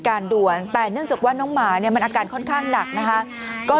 ด่วนแต่เนื่องจากว่าน้องหมาเนี่ยมันอาการค่อนข้างหนักนะคะก็